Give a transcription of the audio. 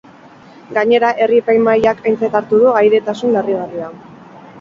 Gainera, herri epaimahaiak aintzat hartu du ahaidetasun larrigarria.